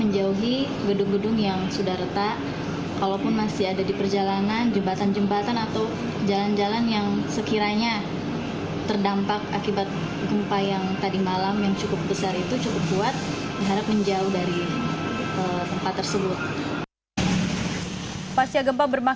jumat di bitung